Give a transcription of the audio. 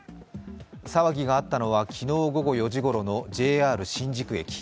騒ぎがあったのは昨日４時ごろのＪＲ新宿駅。